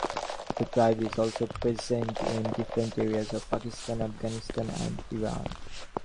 The tribe is also present in different areas of Pakistan, Afghanistan and Iran.